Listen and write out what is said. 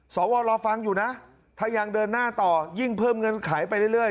สวรอฟังอยู่นะถ้ายังเดินหน้าต่อยิ่งเพิ่มเงื่อนไขไปเรื่อย